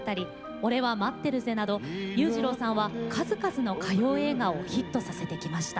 「俺は待ってるぜ」など裕次郎さんは数々の歌謡映画をヒットさせてきました。